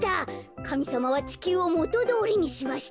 かみさまはちきゅうをもとどおりにしました。